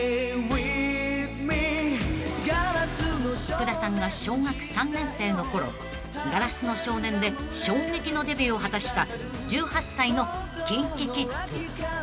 ［福田さんが小学３年生のころ『硝子の少年』で衝撃のデビューを果たした１８歳のＫｉｎＫｉＫｉｄｓ］